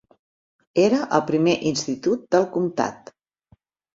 Era el primer institut del comtat.